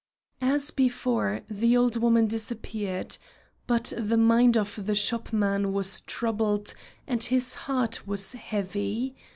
As before, the old woman disappeared. But the mind of the shopman was troubled and his heart was heavy.